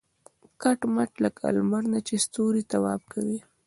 کټ مټ لکه لمر نه چې ستوري طواف کوي.